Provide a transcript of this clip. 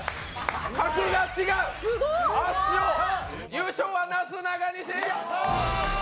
優勝はなすなかにし！